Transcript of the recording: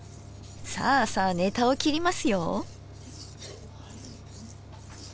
さあさあネタを切りますよ。